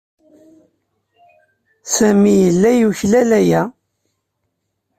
Sami yella yuklal aya.